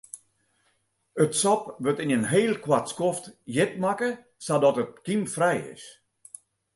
It sop wurdt yn in heel koart skoft hjit makke sadat it kymfrij is.